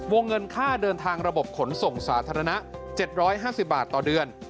เงินค่าเดินทางระบบขนส่งสาธารณะ๗๕๐บาทต่อเดือน